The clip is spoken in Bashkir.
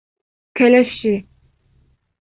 «Кәләше!»